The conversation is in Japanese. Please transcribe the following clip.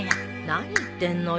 何言ってんのよ。